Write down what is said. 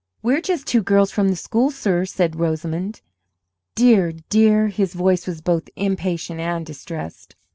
"We're just two girls from the school, sir," said Rosamond. "Dear, dear!" His voice was both impatient and distressed.